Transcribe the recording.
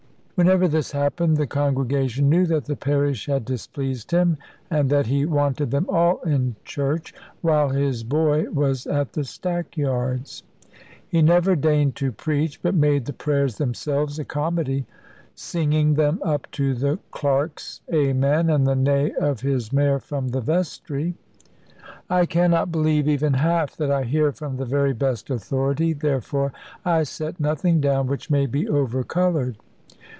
Whenever this happened, the congregation knew that the parish had displeased him, and that he wanted them all in church; while his boy was at the stackyards. He never deigned to preach, but made the prayers themselves a comedy, singing them up to the clerk's "amen," and the neigh of his mare from the vestry. I cannot believe even half that I hear from the very best authority; therefore I set nothing down which may be overcoloured.